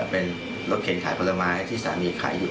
เป็นรถเข็นขายผลไม้ที่สามีขายอยู่